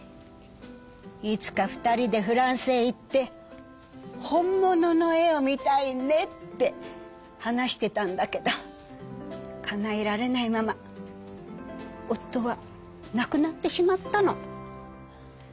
「いつか二人でフランスへ行って本物の絵を見たいね」って話してたんだけどかなえられないまま夫はなくなってしまったの。